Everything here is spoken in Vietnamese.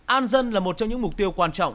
an dân là một trong những mục tiêu quan trọng